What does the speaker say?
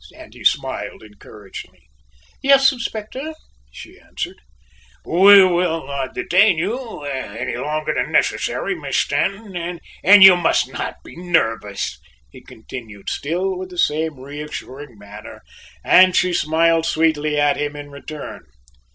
and he smiled encouragingly. "Yes, Inspector," she answered. "We will not detain you any longer than necessary, Miss Stanton, and you must not be nervous," he continued, still with the same reassuring manner, and she smiled sweetly at him in return.